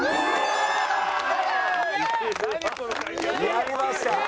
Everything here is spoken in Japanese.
やりました。